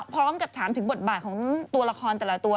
พร้อมกับถามถึงบทบาทของตัวละครแต่ละตัว